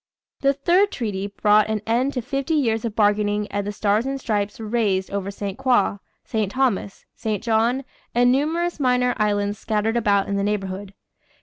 The third treaty brought an end to fifty years of bargaining and the Stars and Stripes were raised over St. Croix, St. Thomas, St. John, and numerous minor islands scattered about in the neighborhood.